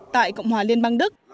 tại cộng hòa liên bang đức